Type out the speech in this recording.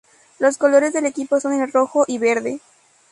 Los colores del equipo son el rojo y verde.